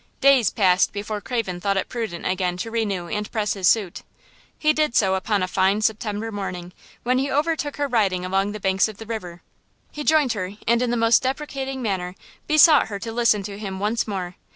Days passed before Craven thought it prudent again to renew and press his suit. He did so upon a fine September morning, when he overtook her riding along the banks of the river. He joined her and in the most deprecating manner, besought her to listen to him once more.